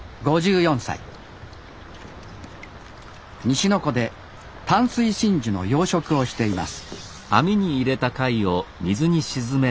西の湖で淡水真珠の養殖をしています